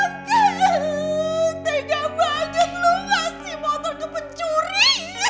tidak tidak banget lu ngasih motor ke pencuri